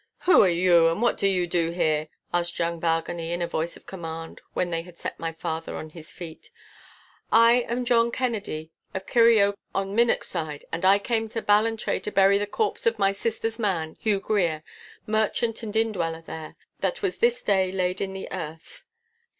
'Who are you, and what do you here?' asked young Bargany in a voice of command, when they had set my father on his feet. 'I am John Kennedy of Kirrieoch on Minnochside, and I came to Ballantrae to bury the corpse of my sister's man, Hew Grier, merchant and indweller there, that was this day laid in the earth.